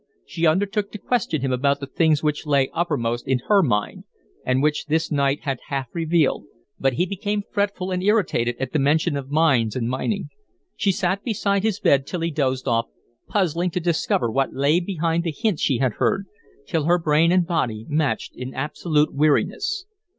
She undertook to question him about the things which lay uppermost in her mind and which this night had half revealed, but he became fretful and irritated at the mention of mines and mining. She sat beside his bed till he dozed off, puzzling to discover what lay behind the hints she had heard, till her brain and body matched in absolute weariness.